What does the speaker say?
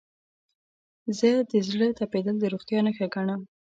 زه د زړه تپیدل د روغتیا نښه ګڼم.